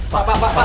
pak pak pak pak